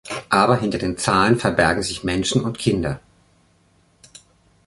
Aber hinter den Zahlen verbergen sich Menschen und Kinder.